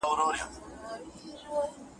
د مستو برېتورو پر هنر لارې تړلي